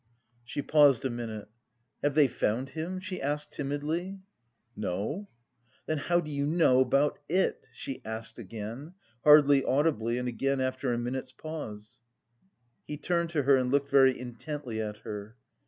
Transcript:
She paused a minute. "Have they found him?" she asked timidly. "No." "Then how do you know about it?" she asked again, hardly audibly and again after a minute's pause. He turned to her and looked very intently at her.